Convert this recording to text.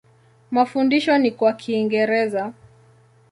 Mafundisho ni kwa Kiingereza.